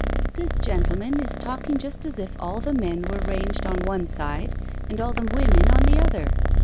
" This gentleman is talking just as if all the men were ranged on one side and all the women on the other.